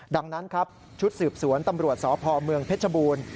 ดังนั้นครับชุดสืบสวนตำรวจสพเมืองเพชรบูรณ์